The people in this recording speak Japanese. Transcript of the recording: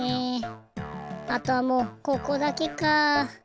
あとはもうここだけか。